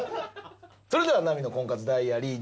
それではナミの婚活ダイアリー